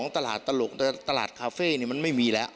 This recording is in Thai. ตลาดตลกแต่ตลาดคาเฟ่มันไม่มีแล้ว